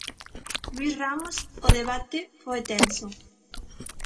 Luís Ramos, o debate foi tenso.